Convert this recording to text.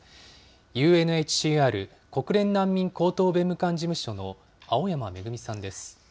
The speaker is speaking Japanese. ＵＮＨＣＲ・国連難民高等弁務官事務所の青山愛さんです。